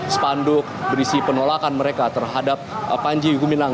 spanduk berisi penolakan mereka terhadap panji gumilang